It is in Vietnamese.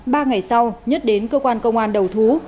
ba ngày sau nhất đến cơ quan công an đầu thú